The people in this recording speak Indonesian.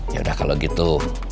yaudah kalo gitu